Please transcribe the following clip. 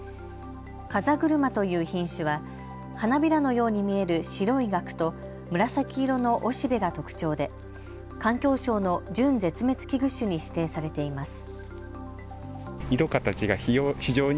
カザグルマという品種は花びらのように見える白いがくと紫色の雄しべが特徴で環境省の準絶滅危惧種に指定されています。